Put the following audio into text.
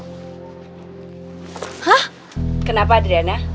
hah kenapa adriana